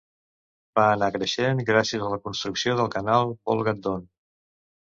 Va anar creixent gràcies a la construcció del Canal Volga-Don.